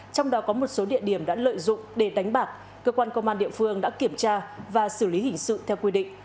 trong đó có một số địa điểm đã lợi dụng để đánh bạc cơ quan công an địa phương đã kiểm tra và xử lý hình sự theo quy định